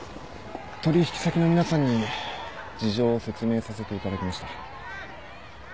取引先の皆さんに事情を説明させていただきました。